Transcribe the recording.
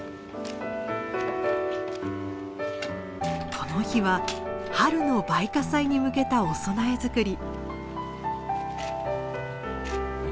この日は春の梅花祭に向けたお供え作り。